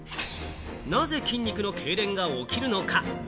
なぜ筋肉のけいれんが起きるのか？